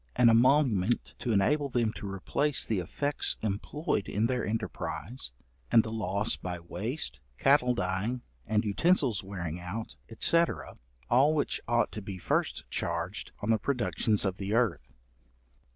An emolument to enable them to replace the effects employed in their enterprise, and the loss by waste, cattle dying, and utensils wearing out, &c, all which ought to be first charged on the products of the earth.